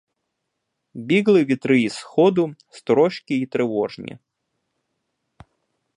Бігли вітри із сходу — сторожкі й тривожні.